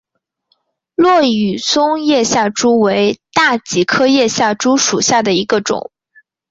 落羽松叶下珠为大戟科叶下珠属下的一个种。